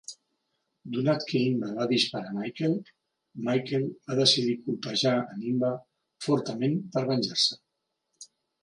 Donat que Inba va disparar Michael, Michael va decidir colpejar en Inba fortament per venjar-se.